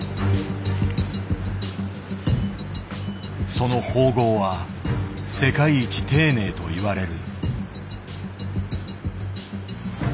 その縫合は世界一丁寧といわれる。